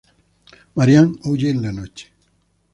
Marianne huye en la noche.